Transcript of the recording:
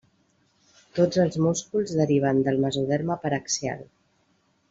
Tots els músculs deriven del mesoderma paraxial.